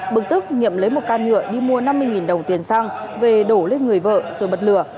bực tức nhiệm lấy một can nhựa đi mua năm mươi đồng tiền xăng về đổ lên người vợ rồi bật lửa